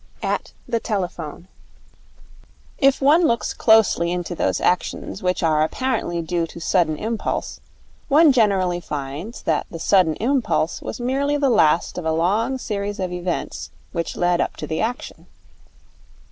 At the Telephone If one looks closely into those actions which are apparently due to sudden impulse, one generally finds that the sudden impulse was merely the last of a long series of events which led up to the action.